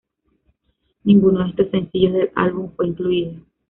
Ninguno de estos sencillos del álbum fue incluido.